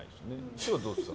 師匠どうですか？